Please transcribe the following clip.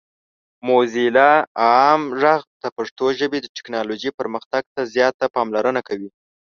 موزیلا عام غږ د پښتو ژبې د ټیکنالوجۍ پرمختګ ته زیاته پاملرنه کوي.